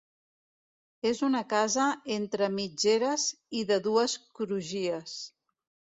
És una casa entre mitgeres i de dues crugies.